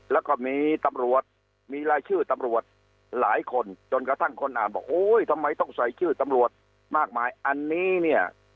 แล้วก็มีตำรวจมีรายชื่อตำรวจหลายคนจนกระทั่งคนอ่านบอกโอ้ยทำไมต้องใส่ชื่อตำรวจมากมายอันนี้เนี่ย